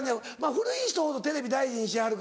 古い人ほどテレビ大事にしはる。